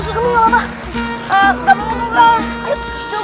sini kamu enggak apa apa